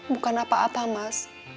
bukan apa apa mas